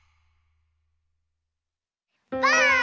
ばあっ！